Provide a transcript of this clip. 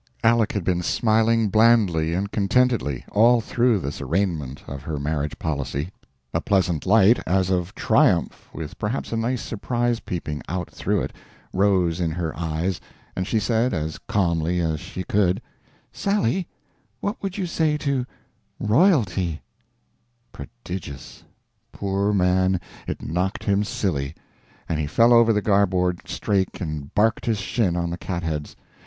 Aleck had been smiling blandly and contentedly all through this arraignment of her marriage policy, a pleasant light, as of triumph with perhaps a nice surprise peeping out through it, rose in her eyes, and she said, as calmly as she could: "Sally, what would you say to royalty?" Prodigious! Poor man, it knocked him silly, and he fell over the garboard strake and barked his shin on the cat heads.